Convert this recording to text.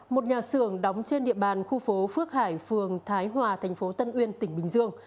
một nhà xưởng đóng trên địa bàn khu phố phước hải phường thái hòa thành phố tân uyên tỉnh bình dương